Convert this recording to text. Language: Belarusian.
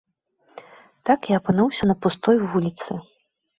Так я апынуўся на пустой вуліцы.